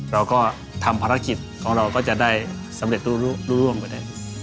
เราก็ทำภารกิจของเราก็จะได้สำเร็จรู้ร่วงไปได้